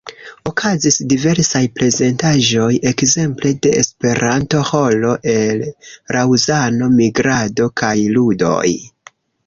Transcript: Okazis diversaj prezentaĵoj ekzemple de esperanto-ĥoro el Laŭzano, migrado kaj ludoj.